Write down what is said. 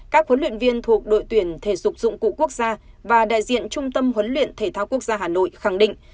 các huấn luyện viên thuộc đội tuyển thể dục dụng cụ quốc gia và đại diện trung tâm huấn luyện thể thao quốc gia hà nội khẳng định